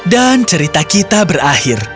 dan cerita kita berakhir